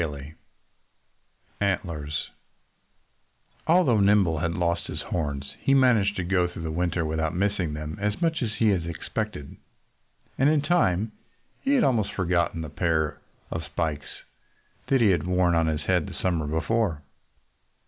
XIV ANTLERS Although Nimble had lost his horns he managed to go through the winter without missing them as much as he had expected. And in time he had almost forgotten the pair of spikes that he had worn on his head the summer before.